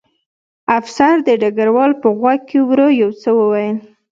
افسر د ډګروال په غوږ کې ورو یو څه وویل